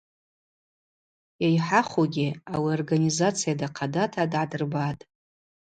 Йайхӏахугьи – ауи аорганизация дахъадата дгӏадырбатӏ.